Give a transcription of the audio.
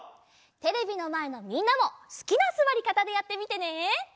テレビのまえのみんなもすきなすわりかたでやってみてね！